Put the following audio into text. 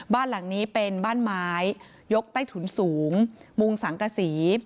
บ้านหลังนี้เป็นบ้านไม้ยกใต้ถุนสูงมุงสังกษี